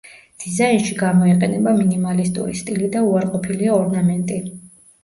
დიზაინში გამოიყენება მინიმალისტური სტილი და უარყოფილია ორნამენტი.